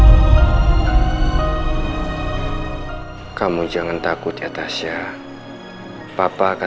dia mengatakan kepada aku